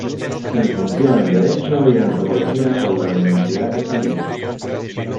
Se licenció en Derecho y Antropología por la Universidad de Sevilla.